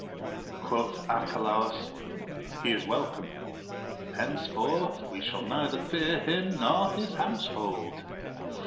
Quoth Arcalaus, He is welcome : henceforth we shall neither fear him nor his household.